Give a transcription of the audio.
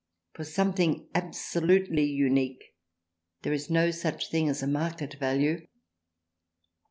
For something absolutely unique, there is no such thing as a market value.